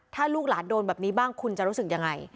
ถ้าลูกหลานโดนแบบนี้บ้างคุณจะรู้สึกยังไง